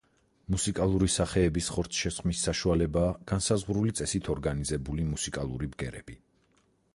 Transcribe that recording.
მუსიკალური სახეების ხორცშესხმის საშუალებაა განსაზღვრული წესით ორგანიზებული მუსიკალური ბგერები.